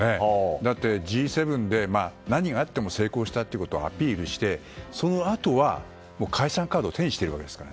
だって、Ｇ７で何があっても成功したということをアピールして、そのあとは解散カードを手にしているわけですから。